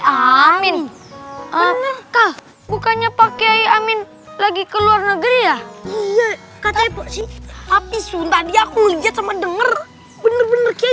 amin ah bukannya pakai amin lagi keluar negeri ya iya tapi aku lihat sama denger bener bener